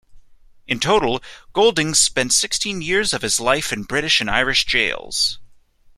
In total, Goulding spent sixteen years of his life in British and Irish jails.